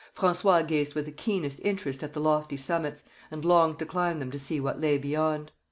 François gazed with the keenest interest at the lofty summits, and longed to climb them to see what lay beyond.